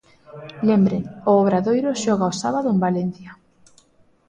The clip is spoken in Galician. Lembren, o Obradoiro xoga o sábado en Valencia.